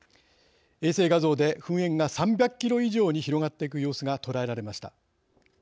衛星画像で噴煙が３００キロ以上に広がっていく様子が捉えられました。